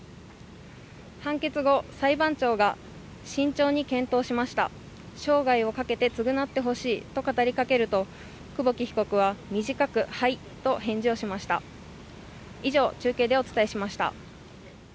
判決後、裁判長が、慎重に検討しました、生涯をかけて償ってほしいと語りかけると久保木被告は、短く、はいと返事をしました。